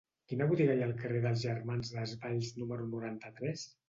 Quina botiga hi ha al carrer dels Germans Desvalls número noranta-tres?